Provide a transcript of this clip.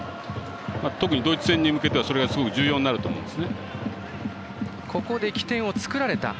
特にドイツ戦ではそれがすごく重要になると思うんです。